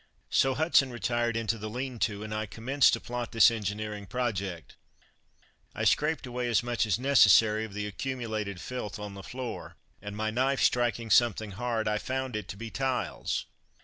So Hudson retired into the lean to and I commenced to plot this engineering project. I scraped away as much as necessary of the accumulated filth on the floor, and my knife striking something hard I found it to be tiles.